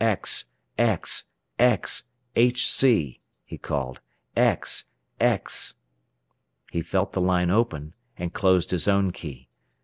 "X, X, X, HC," he called. "X, X " He felt the line open, and closed his own key.